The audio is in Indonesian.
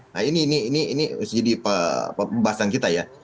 nah ini jadi pembahasan kita ya